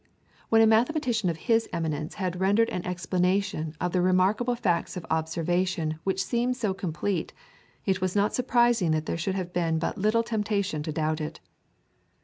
When a mathematician of his eminence had rendered an explanation of the remarkable facts of observation which seemed so complete, it is not surprising that there should have been but little temptation to doubt it.